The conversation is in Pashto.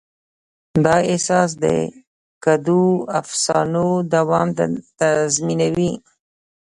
دا احساس د ګډو افسانو دوام تضمینوي.